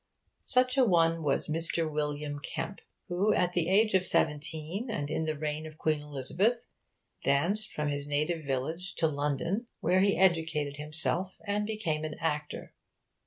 Such a one was Mr. William Kemp, who, at the age of seventeen, and in the reign of Queen Elizabeth, danced from his native village to London, where he educated himself and became an actor.